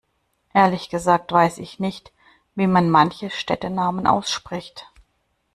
Ehrlich gesagt weiß ich nicht, wie man manche Städtenamen ausspricht.